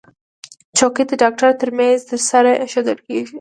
چوکۍ د ډاکټر تر میز سره ایښودل کېږي.